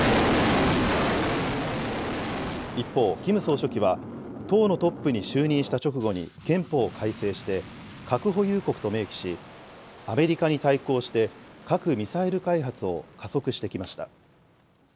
一方、キム総書記は、党のトップに就任した直後に、憲法を改正して、核保有国と明記し、アメリカに対抗して、核・ミサイル開発を加速してきました。